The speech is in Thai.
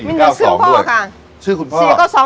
มินดึกชื่อพ่อค่ะ